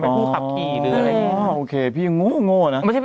เป็นผู้ขับขี่หรืออะไรอย่างนี้นะครับโอเคพี่โง่นะ